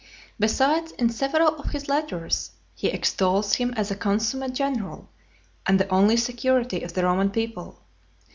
Besides, in several of his letters, he extols him as a consummate general, and the only security of the Roman people.